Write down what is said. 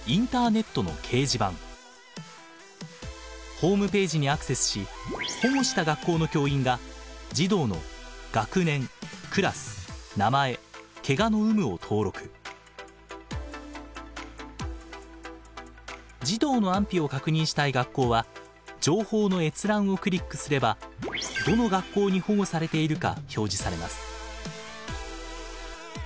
ホームページにアクセスし児童の安否を確認したい学校は情報の閲覧をクリックすればどの学校に保護されているか表示されます。